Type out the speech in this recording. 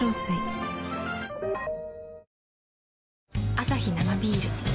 アサヒ生ビール